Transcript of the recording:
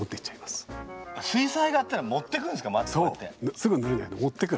すぐ塗らないで持ってくる。